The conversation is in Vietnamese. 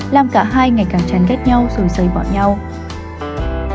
làm cả hai ngày càng chán ghét nhau rồi xây bỏ nhau